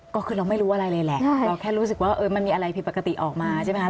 ก็คือเราไม่รู้อะไรเลยแหละเราแค่รู้สึกว่ามันมีอะไรผิดปกติออกมาใช่ไหมคะ